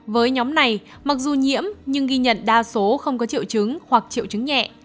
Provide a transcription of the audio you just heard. với nhóm này mặc dù nhiễm nhưng ghi nhận đa số không có triệu chứng hoặc triệu chứng nhẹ